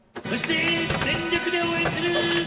そして全力で応援する！